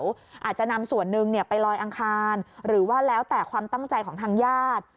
อาจจะนำส่วนหนึ่งไปลอยอังคารหรือว่าแล้วแต่ความตั้งใจของทางญาติ